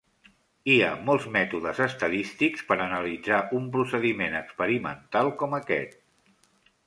Hi ha molts mètodes estadístics per analitzar un procediment experimental com aquest.